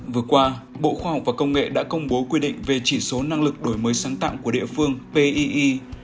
vừa qua bộ khoa học và công nghệ đã công bố quy định về chỉ số năng lực đổi mới sáng tạo của địa phương pi